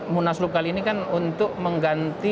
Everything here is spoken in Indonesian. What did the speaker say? munaslup kali ini kan untuk mengganti